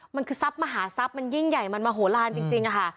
มันคือทรัพย์มหาทรัพย์มันยิ่งใหญ่มันมโหลานจริงค่ะ